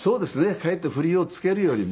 かえって振りを付けるよりも。